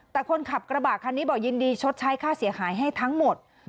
แต่คนขับกระบะคันนี้บอกยินดีชดใช้ค่าเสียหายให้ทั้งหมด